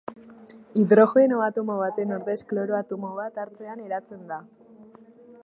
Hidrogeno atomo baten ordez kloro atomo bat hartzean eratzen da.